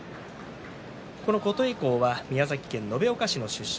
この琴恵光は宮崎県延岡市の出身。